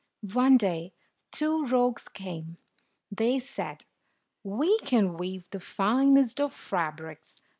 One day, two rogues came. They said, "We can weave the finest of fabrics.